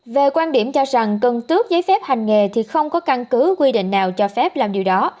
về quan điểm cho rằng cần tước giấy phép hành nghề thì không có căn cứ quy định nào cho phép làm điều đó